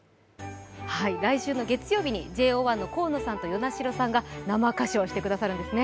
来週の月曜日にＪＯ１の河野さんと與那城さんが生歌唱してくださるんですね。